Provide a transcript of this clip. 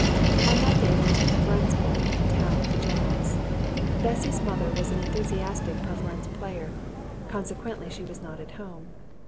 On that day there was a préférence party in town at the General's. Bessy's mother was an enthusiastic préférence player.... Consequently she was not at home.